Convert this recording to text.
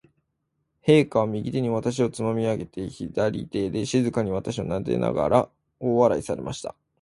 陛下は、右手に私をつまみ上げて、左の手で静かに私をなでながら、大笑いされました。